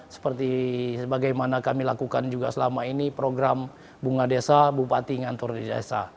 seperti bagaimana kami lakukan juga selama ini program bunga desa bupati ngantor desa